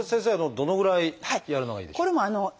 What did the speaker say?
どのぐらいやるのがいいでしょう？